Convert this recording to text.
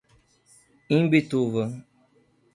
Imbituva